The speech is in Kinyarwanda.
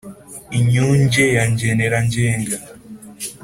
inyunge ya ngenera na ngenga